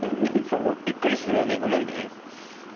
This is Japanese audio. そうびっくりするよねごめんね。